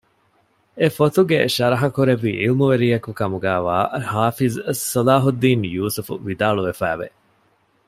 އެ ފޮތުގެ ޝަރަޙަކުރެއްވި ޢިލްމުވެރިޔަކުކަމުގައިވާ ޙާފިޡު ޞަލާޙުއްދީނު ޔޫސުފު ވިދާޅުވެފައިވެ